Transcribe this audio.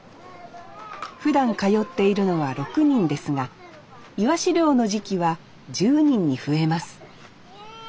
ふだん通っているのは６人ですがイワシ漁の時期は１０人に増えますねえ